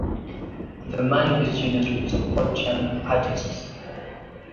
The money is used to support young artists.